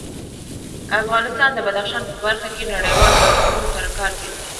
افغانستان د بدخشان په برخه کې نړیوالو بنسټونو سره کار کوي.